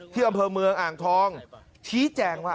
ที่ยุงบริเวณมืออ่างทองฉี้แจงล่ะ